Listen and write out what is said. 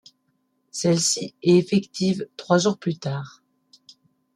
Celle-ci est effective trois jours plus tard.